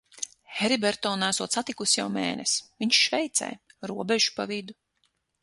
Heriberto neesot satikusi jau mēnesi, - viņš Šveicē, robeža pa vidu.